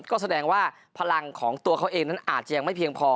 ก็แสดงว่าพลังของตัวเขาเองนั้นอาจจะยังไม่เพียงพอ